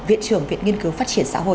viện trưởng viện nghiên cứu phát triển xã hội